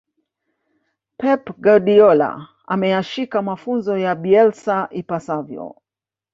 pep guardiola ameyashika mafunzo ya bielsa ipasavyo